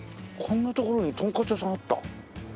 こんな所にトンカツ屋さんあった。